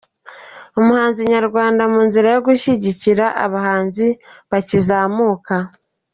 Umuhanzi nyarwanda mu nzira yo gushyigikira abahanzi bakizamuka